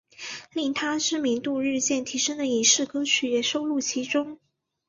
令她知名度日渐提升的影视歌曲也收录其中。